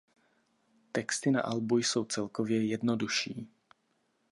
Texty na albu jsou celkově jednodušší.